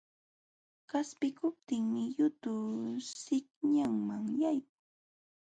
Qaspikuptinmi yutu sihñanman yaykun.